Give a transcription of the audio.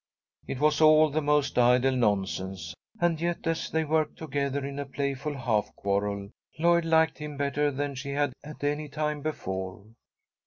It was all the most idle nonsense, and yet, as they worked together in a playful half quarrel, Lloyd liked him better than she had at any time before.